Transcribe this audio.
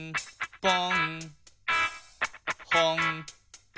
「ぽん」